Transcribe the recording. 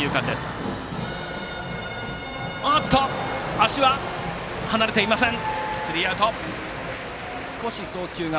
足は、離れていません。